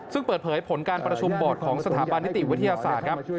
ซึ่งเปิดเผยผลการประชุมบอร์ดของสถาบันนิติวิทยาศาสตร์ครับ